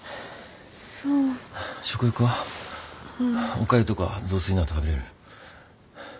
おかゆとか雑炊なら食べれる？